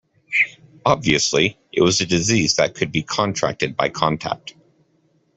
Obviously, it was a disease that could be contracted by contact.